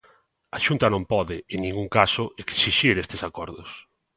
A Xunta non pode, en ningún caso, exixir estes acordos.